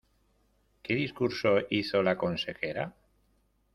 ¿Qué discurso hizo la consejera?